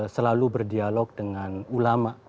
selalu berdialog dengan ulama